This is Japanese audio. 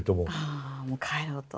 ああもう帰ろうと。